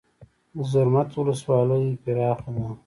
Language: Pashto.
د زرمت ولسوالۍ پراخه ده